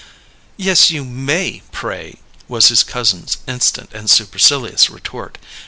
"Yes, you may, pray!" was his cousin's instant and supercilious retort.